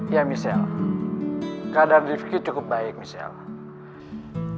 ya michelle keadaan rifqi cukup baik michelle